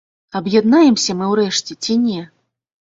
Аб'яднаемся мы ў рэшце ці не?